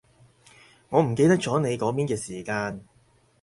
我唔記得咗你嗰邊嘅時間